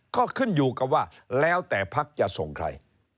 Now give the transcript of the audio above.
ก็ขึ้นอยู่กับว่าแล้วแต่พักจะส่งใคร